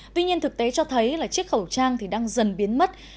tuy nhiên thực tế cho thấy là chiếc khẩu trang thì đang dần biến mất